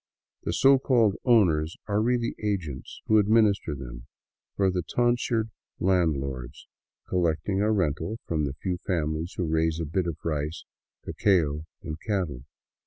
The so called owners are really agents who administer them for the tonsured land lords, collecting a rental from the few families who raise a bit of rice, cacao, and cattle.